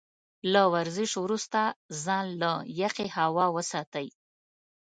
له ورزش وروسته ځان له يخې هوا وساتئ.